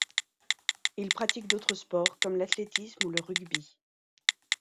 Il pratique d'autres sports comme l'athlétisme ou le rugby.